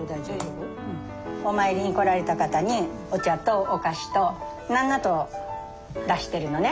お参りに来られた方にお茶とお菓子と何なと出してるのね